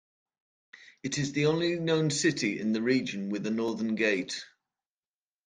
It is the only known city in the region with a northern gate.